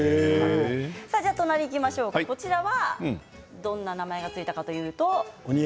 お隣はどんな名前が付いたかというと。